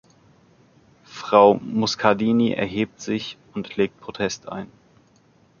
Frau Muscardini erhebt sich und legt Protest ein.